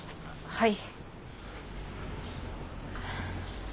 はい。